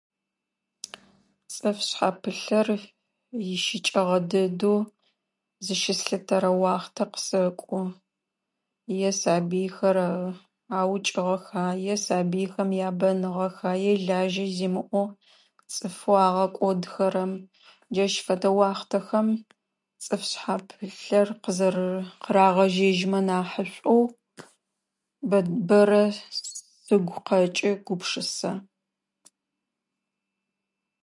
Цыф шъхьэ пылъыр ищыкӏагъэ дэдэу зыщыслъытэрэ уахътэ къысэкӏо. Е сабыйхэра аукӏыгъэха е сабыйхэм ябэныгъэха е лажьэ зимыӏэу цӏыф агъэкӏодхэрэм джащ фэдэ уахътэхэм цӏыф шъхьа пылъхэр къызэр-къырагъэжэжьмэ нахьышӏуӏоу бэд-бэрэ сыгу къэджы гупшысэ.